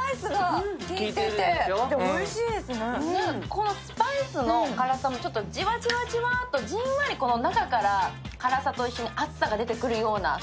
このスパイスの辛さもちょっとじわじわじわっと、じんわり中から辛さと一緒に熱さが出てくるような。